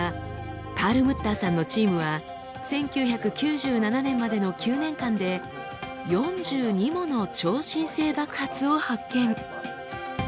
パールムッターさんのチームは１９９７年までの９年間で４２もの超新星爆発を発見。